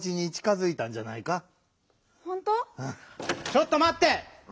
ちょっとまって！